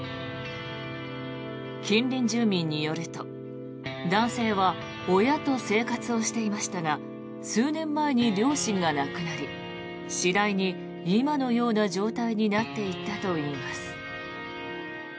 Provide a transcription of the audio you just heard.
近隣住民によると男性は親と生活をしていましたが数年前に両親が亡くなり次第に今のような状態になっていったといいます。